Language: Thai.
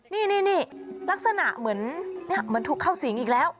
นี่ลักษณะเหมือนถูกเข้าสิงอีกแล้ว